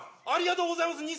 ありがとうございます。